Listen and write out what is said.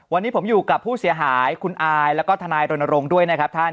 วันนี้ผมอยู่กับผู้เสียหายคุณอายแล้วก็ทนายรณรงค์ด้วยนะครับท่าน